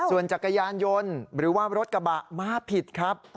ส่วนจักรยานยนต์หรือว่ารถกระบะมาผิดครับ